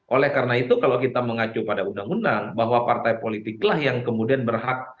oleh karena itu kalau kita mengacu pada undang undang bahwa partai politiklah yang kemudian berhak